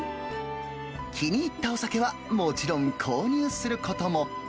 気に入ったお酒は、もちろん購入することも。